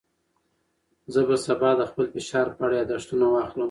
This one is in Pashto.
زه به سبا د خپل فشار په اړه یاداښتونه واخلم.